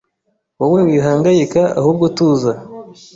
Wowe wihangayika ahubwo tuza